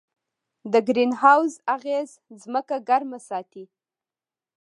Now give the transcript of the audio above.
د ګرین هاوس اغېز ځمکه ګرمه ساتي.